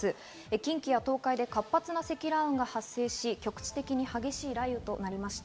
近畿や東海で活発な積乱雲が発生し、局地的に激しい雷雨となりました。